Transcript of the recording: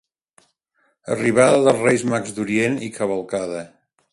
Arribada dels Reis Mags d'Orient i cavalcada.